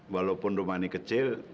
walaupun rumah ini kecil